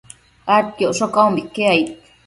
adquioccosh caumbique aid